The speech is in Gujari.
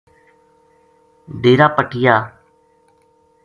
ڈیرا پٹیا